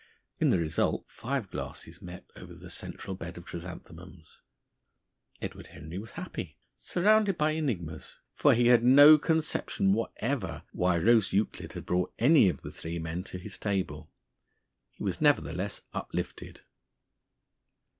In the result, five glasses met over the central bed of chrysanthemums. Edward Henry was happy. Surrounded by enigmas, for he had no conception whatever why Rose Euclid had brought any of the three men to his table, he was nevertheless uplifted.